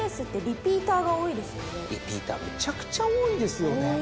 リピーターめちゃくちゃ多いですよね。